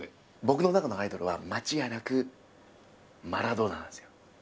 僕の中のアイドルは間違いなくマラドーナなんですよ。